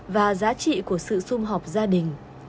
và giá trị của sự xung họp gia đình